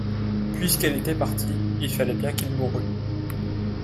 Puisqu’elle était partie, il fallait bien qu’il mourût.